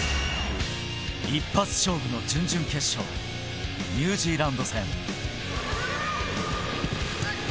一発勝負の準々決勝、ニュージーランド戦。